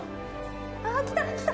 あっ来た来た！